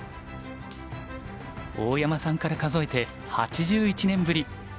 大山さんから数えて８１年ぶり。